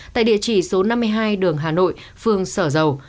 tại địa chỉ số năm mươi hai đường hà nội phường sở dầu